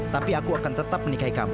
tapi aku akan tetap menikahi kamu